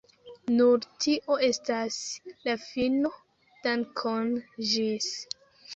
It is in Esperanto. Nu tio estas la fino, dankon ĝis.